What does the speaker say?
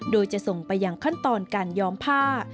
โดยจะส่งไปอย่างขั้นตอนการย้อมผ้า